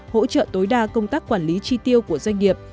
hỗ trợ tối đa công tác quản lý chi tiêu của doanh nghiệp